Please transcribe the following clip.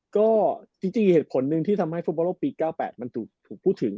ก็ที่จริงเหตุผลนึงที่ทำให้ฝุตบอลปี๙๘มันถูกพูดถึง